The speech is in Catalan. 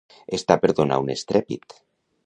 Estar per donar un estrèpit.